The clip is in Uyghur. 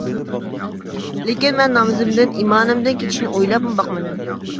لېكىن مەن نامىزىمدىن، ئىمانىمدىن كېچىشنى ئويلاپمۇ باقمىدىم.